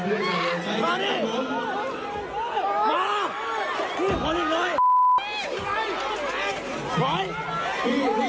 พอพี่พี่อย่าอย่าอย่าอย่าเดี๋ยวเดี๋ยวเดี๋ยวเดี๋ยว